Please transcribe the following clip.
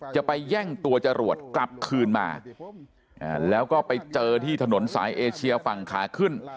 จะไปแย่งตัวจรวดกลับคืนมาแล้วก็ไปเจอที่ถนนสายเอเชียฝั่งขาขึ้น